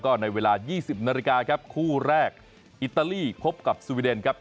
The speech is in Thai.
ก็ในเวลา๒๐นาฬิกาครับคู่แรกอิตาลีพบกับสวีเดนครับ